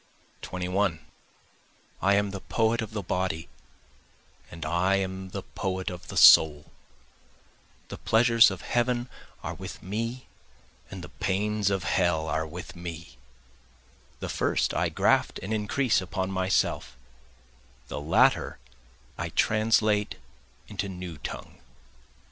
21 I am the poet of the Body and I am the poet of the Soul, The pleasures of heaven are with me and the pains of hell are with me, The first I graft and increase upon myself, the latter I translate into new tongue.